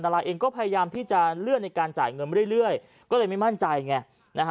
รายเองก็พยายามที่จะเลื่อนในการจ่ายเงินเรื่อยก็เลยไม่มั่นใจไงนะฮะ